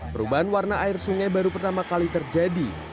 perubahan warna air sungai baru pertama kali terjadi